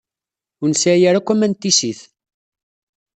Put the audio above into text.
Ur nesɛi ara akk aman n tissit.